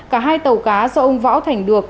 cả hai tàu cá do ông võ thành được